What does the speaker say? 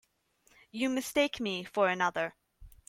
You mistake me for another.